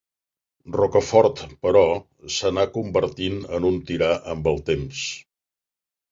Rocafort, però, s'anà convertint en un tirà amb el temps.